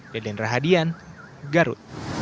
deden rahadian garut